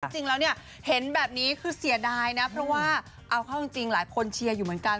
จริงแล้วเนี่ยเห็นแบบนี้คือเสียดายนะเพราะว่าเอาเข้าจริงหลายคนเชียร์อยู่เหมือนกัน